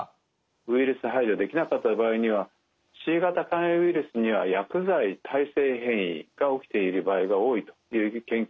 ウイルス排除できなかった場合にはＣ型肝炎ウイルスには薬剤耐性変異が起きている場合が多いという研究成果が出ているんですね。